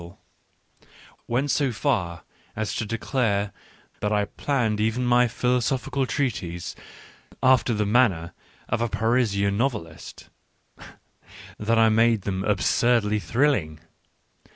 Digitized by Google 60 ECCE HOMO went so far as to declare that I planned even my philological treatises after the manner of a Parisian novelist — that I made them absurdly thrilling.